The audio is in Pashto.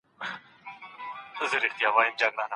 که کوم کار ستاسو د مزاج مخالف وي څه کيږي؟